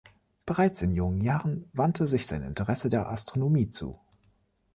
Bereits in jungen Jahren wandte sich sein Interesse der Astronomie zu.